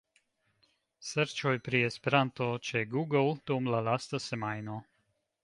Serĉoj pri “Esperanto” ĉe Google dum la lasta semajno.